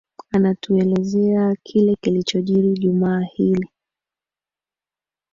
anatuelezea kile kilichojiri juma hili